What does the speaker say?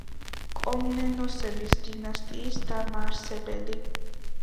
კომნენოსების დინასტიის დამაარსებელი.